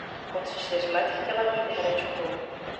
Od čtyř let chtěla být herečkou.